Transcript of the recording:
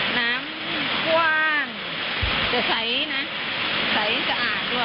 น้ำท่วมจะใสนะใสสะอาดด้วย